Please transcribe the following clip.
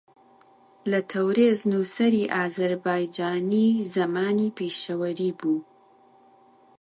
لە تەورێز نووسەری ئازەربایجانی زەمانی پیشەوەری بوو